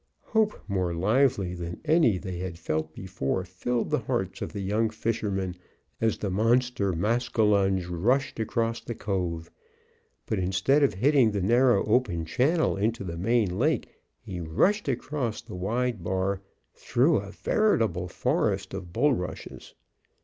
Hope more lively than any they had felt before filled the hearts of the young fishermen, as the monster maskinonge rushed across the cove. But instead of hitting the narrow open channel into the main lake, he rushed across the wide bar, through a veritable forest of bulrushes.